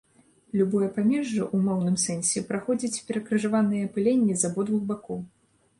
Любое памежжа ў моўным сэнсе праходзіць перакрыжаванае апыленне з абодвух бакоў.